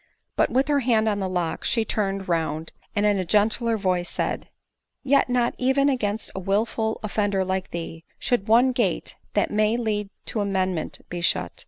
But with her hand on the lock she turned round, and in a gentler voice said, " Yet riot even against a wilful offender like thee, should one gate that may lead to amendment be shut.